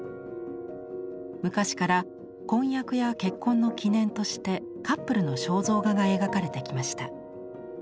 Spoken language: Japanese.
昔から婚約や結婚の記念としてカップルの肖像画が描かれてきました。